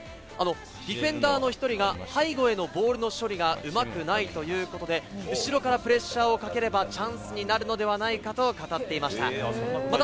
ディフェンダーの１人が背後へのボールの処理がうまくないということで、後ろからプレッシャーをかければ、チャンスになるのではないかと語っていました。